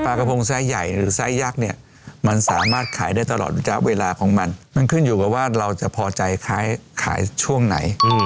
มันไม่มีข้อจำกัดของไซส์ถูกมั้ยฮะ